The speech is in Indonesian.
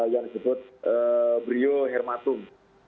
yang disebut brio hermatum